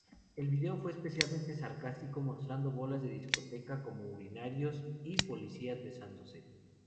El video fue especialmente sarcástico, mostrando bolas de discoteca como urinarios y policías besándose.